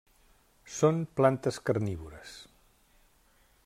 Són plantes carnívores.